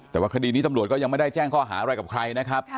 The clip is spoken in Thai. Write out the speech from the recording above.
แต่ว่าคดีนี้ตำรวจก็ยังไม่ได้แจ้งข้อหาอะไรกับใครนะครับ